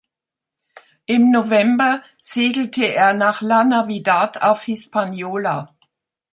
Im November segelte er nach La Navidad auf Hispaniola.